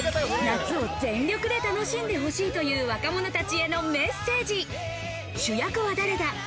夏を全力で楽しんでほしいという若者たちへのメッセージ。